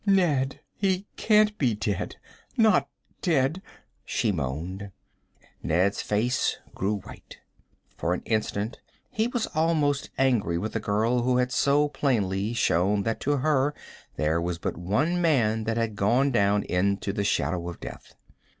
"Ned, he can't be dead not dead!" she moaned. Ned's face grew white. For an instant he was almost angry with the girl who had so plainly shown that to her there was but one man that had gone down into the shadow of death.